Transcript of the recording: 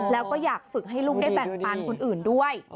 แล้วก็อยากฝึกให้ลูกได้แบ่งปันคนอื่นด้วย